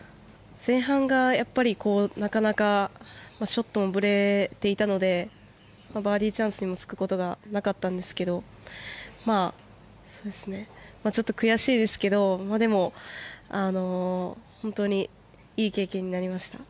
前半がなかなかショットもぶれていたのでバーディーチャンスにもつくことがなかったんですけどちょっと悔しいですけどでも、本当にいい経験になりました。